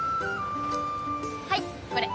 はいこれ。